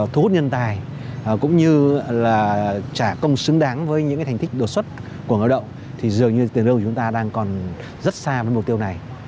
thu hút nhân tài cũng như là trả công xứng đáng với những cái thành tích đột xuất của ngôi động thì dường như tiền lương của chúng ta đang còn rất xa với mục tiêu này